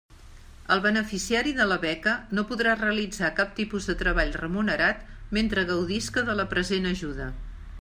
El beneficiari de la beca no podrà realitzar cap tipus de treball remunerat mentre gaudisca de la present ajuda.